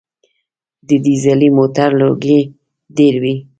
د ډیزلي موټر لوګی ډېر وي.